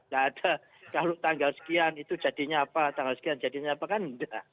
nggak ada kalau tanggal sekian itu jadinya apa tanggal sekian jadinya apa kan enggak